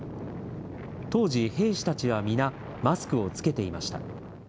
当時、兵士たちは皆、マスクを着けていました。